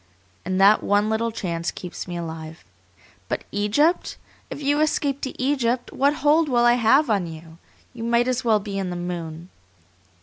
And that one little chance keeps me alive. But Egypt! If you escape to Egypt, what hold will I have on you? You might as well be in the moon.